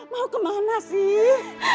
mau kemana sih